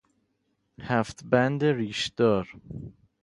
هفت بند ریش دار